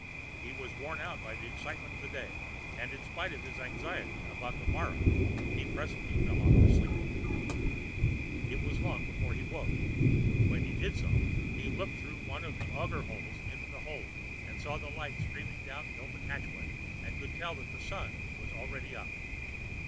He was worn out by the excitement of the day, and in spite of his anxiety about the morrow he presently fell off to sleep. It was long before he woke. When he did so, he looked through one of the auger holes into the hold and saw the light streaming down the open hatchway, and could tell that the sun was already up.